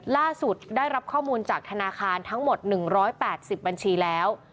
ได้รับข้อมูลจากธนาคารทั้งหมด๑๘๐บัญชีแล้ว